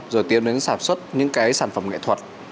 rồi tiến đến sản xuất những cái sản phẩm nghệ thuật